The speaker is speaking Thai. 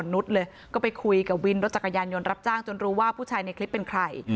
นุษย์เลยก็ไปคุยกับวินรถจักรยานยนต์รับจ้างจนรู้ว่าผู้ชายในคลิปเป็นใคร